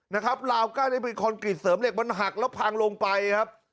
นะครับลาวกั้นนี่เป็นคอนกรีตเสริมเหล็กมันหักแล้วพังลงไปครับ